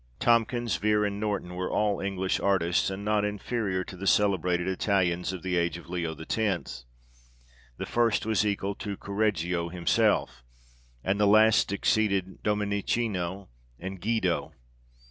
Tomkins, Vere, and Norton, were all English artists, and not inferior to the celebrated Italians of the age of Leo X. The first was equal to Correggio him self, and the last exceeded Dominichino and Guido.